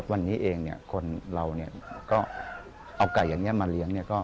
วันนี้เองคนนี้ก็เอาไก่แบบนี้มาเลี้ยง